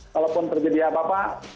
kalaupun terjadi apa apa